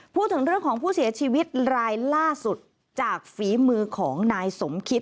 พูดถึงเรื่องของผู้เสียชีวิตรายล่าสุดจากฝีมือของนายสมคิด